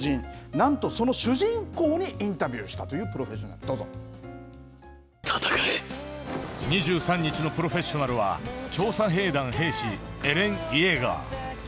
なんとその主人公にインタビューしたというプロフェッショナル、２３日のプロフェッショナルは、調査兵団兵士、エレン・イェーガー。